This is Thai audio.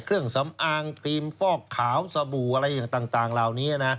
เครื่องสำอางครีมฟอกขาวสบู่อะไรต่างเหล่านี้นะ